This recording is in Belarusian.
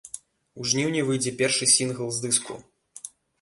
У жніўні выйдзе першы сінгл з дыску.